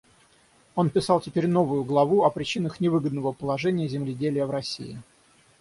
Он писал теперь новую главу о причинах невыгодного положения земледелия в России.